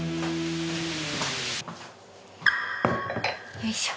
よいしょ。